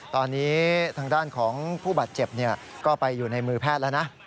ตอนนี้ทางด้านของผู้บาดเจ็บก็ไปอยู่ในมือแพทย์แล้วนะ